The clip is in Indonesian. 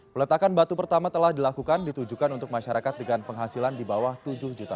peletakan batu pertama telah dilakukan ditujukan untuk masyarakat dengan penghasilan di bawah tujuh juta